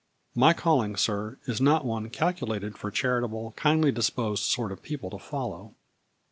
My calling, sir, is not one calculated for chari table, kindly disposed sort of people to follow."